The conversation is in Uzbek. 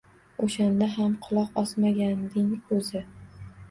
O`shanda ham quloq osmaganding o`zi